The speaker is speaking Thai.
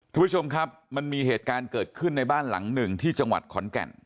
ทุกผู้ชมครับมันมีเหตุการณ์เกิดขึ้นในบ้านหลังหนึ่งที่จังหวัดขอนแก่น